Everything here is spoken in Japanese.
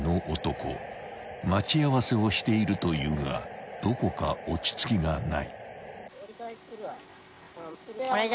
［待ち合わせをしているというがどこか落ち着きがない］